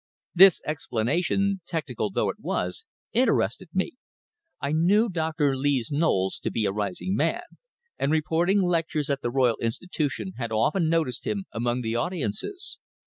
This explanation, technical though it was, interested me. I knew Doctor Lees Knowles to be a rising man, and when reporting lectures at the Royal Institution had often noticed him among the audiences.